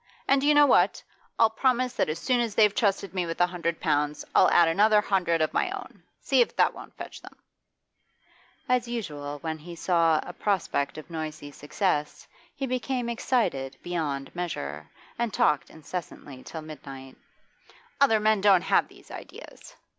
And do you know what? I'll promise that as soon as they've trusted me with a hundred pounds, I'll add another hundred of my own. See if that won't fetch them!' As usual when he saw a prospect of noisy success he became excited beyond measure, and talked incessantly till midnight. 'Other men don't have these ideas!